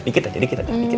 dikit aja dikit aja